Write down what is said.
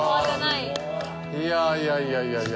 いやいやいやいやいや。